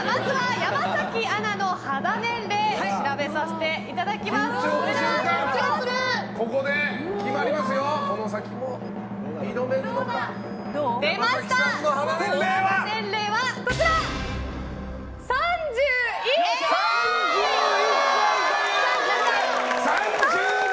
山崎さんの肌年齢は３１歳！